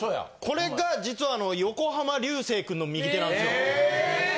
これが実は横浜流星君の右手なんですよ。